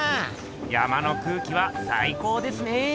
山の空気はさい高ですね。